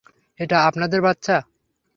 এটা আপনাদের বাচ্চা।